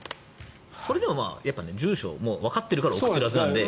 それでももう住所がわかっているから送ってるはずなので。